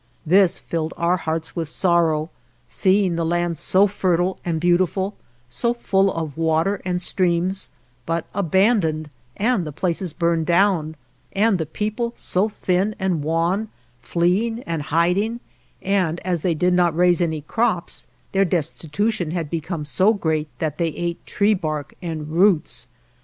This filled our hearts with sorrow, seeing the land so fertile and beautiful, so full of water and streams, but abandoned and the places burned down, and the people, so thin and wan, fleeing and hiding; and as they did not raise any crops their desti tution had become so great that they ate tree bark and roots.